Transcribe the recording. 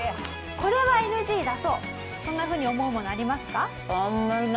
これはＮＧ出そうそんなふうに思うものありますか？